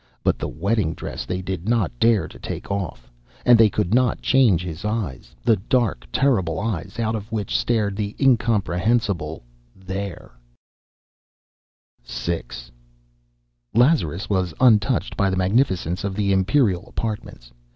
But the wedding dress they did not dare to take off; and they could not change his eyes the dark, terrible eyes from out of which stared the incomprehensible There. VI Lazarus was untouched by the magnificence of the imperial apartments.